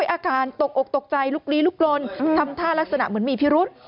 อาการตกอกตกใจลุกลี้ลุกลนทำท่ารักษณะเหมือนมีพิรุษ